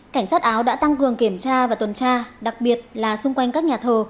cảnh sát áo đã tăng cường kiểm tra và tuần tra đặc biệt là xung quanh các nhà thờ